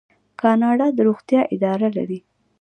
کاناډا د روغتیا اداره لري.